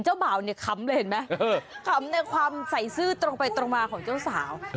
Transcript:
บ่าวเนี่ยขำเลยเห็นไหมขำในความใส่ซื่อตรงไปตรงมาของเจ้าสาว